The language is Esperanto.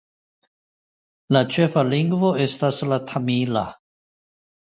La ĉefa lingvo estas la tamila.